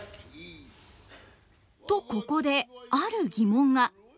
とここである疑問が。